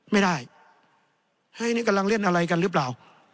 ไม่ได้เฮ้ยนี่กำลังเล่นอะไรกันหรือเปล่า